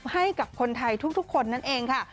ให้กับคนไทยทุกคนนั่นเองค่ะ